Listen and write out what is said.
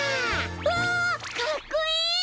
わあかっこいい！